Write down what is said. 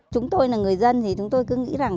chúng tôi là người dân thì chúng tôi cứ nghĩ rằng